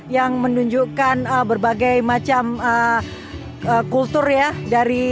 yang menunjukkan berbagai macam kultur ya dari